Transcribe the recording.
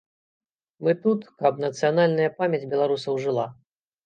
Мы тут, каб нацыянальная памяць беларусаў жыла.